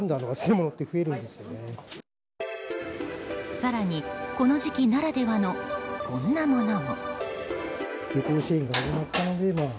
更に、この時期ならではのこんなものも。